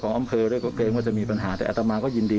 ก็เกรงว่าจะมีปัญหาแต่อาตมาก็ยินดี